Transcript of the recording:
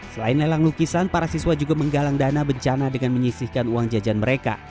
selain lelang lukisan para siswa juga menggalang dana bencana dengan menyisihkan uang jajan mereka